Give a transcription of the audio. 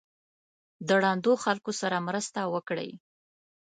د ړندو خلکو سره مرسته وکړئ.